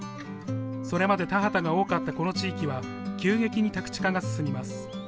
それまで田畑が多かったこの地域は急激に宅地化が進みます。